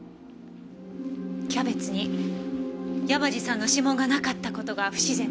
キャベツに山路さんの指紋がなかった事が不自然ね。